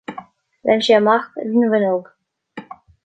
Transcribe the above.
Léim sé amach ar an bhfuinneog.